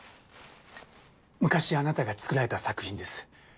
昔あなたが作られた作品です。